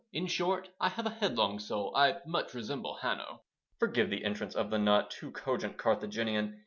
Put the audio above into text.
In short, I have a headlong soul, I much resemble Hanno. (Forgive the entrance of the not Too cogent Carthaginian.